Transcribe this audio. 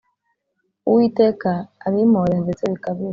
Uwiteka abimpore ndetse bikabije.